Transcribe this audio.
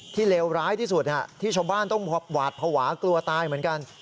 เลวร้ายที่สุดที่ชาวบ้านต้องหวาดภาวะกลัวตายเหมือนกัน